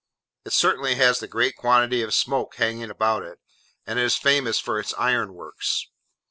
It certainly has a great quantity of smoke hanging about it, and is famous for its iron works.